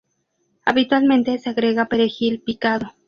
Habitualmente se agrega perejil picado.